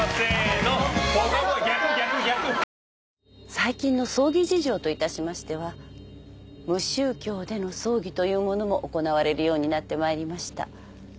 最近の葬儀事情といたしましては無宗教での葬儀というものも行われるようになってまいりました。